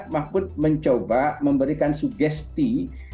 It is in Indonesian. mahfud mencoba memberikan sugesti